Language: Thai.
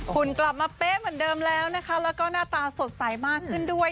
คุณกลับมาเป๊ะเหมือนเดิมแล้วนะคะแล้วก็หน้าตาสดใสมากขึ้นด้วย